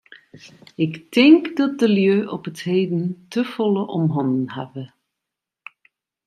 Ik tink dat de lju op 't heden te folle om hannen hawwe.